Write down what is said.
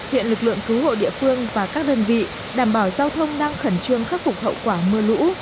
hiện lực lượng cứu hộ địa phương và các đơn vị đảm bảo giao thông đang khẩn trương khắc phục hậu quả mưa lũ